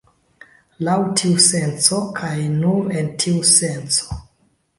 Laŭ tiu senco, kaj nur en tiu senco.